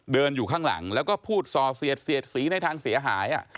เดินอยู่ข้างหลังแล้วก็พูดซอเสียดสีในทางเสียหาย